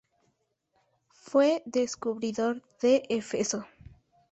Fue descubridor de Éfeso.